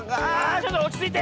ちょっとおちついて！